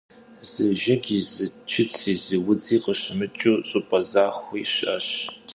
Zı jjıgi, zı çıtsi, zı vudzi khışımıç'ıu ş'ıp'e zaxui şı'eş.